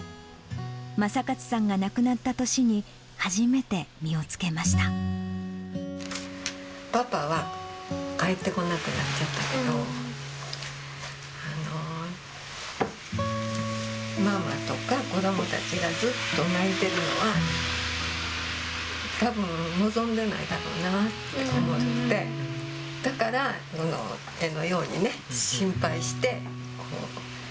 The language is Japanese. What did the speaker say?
正勝さんが亡くなった年に、パパは、帰ってこなくなっちゃったけど、ママとか子どもたちが、ずっと泣いてるのは、たぶん望んでないだろうなって思って、だから、絵のようにね、心配して、こう。